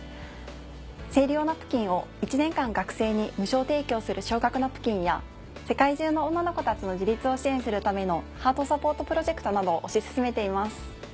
生理用ナプキンを１年間学生に無償提供する「奨学ナプキン」や世界中の女の子たちの自立を支援するための「ハートサポートプロジェクト」などを推し進めています。